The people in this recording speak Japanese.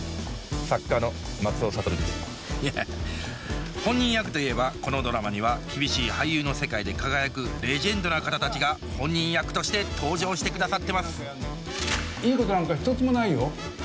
いや本人役といえばこのドラマには厳しい俳優の世界で輝くレジェンドな方たちが本人役として登場してくださってますいいことなんか一つもないよ。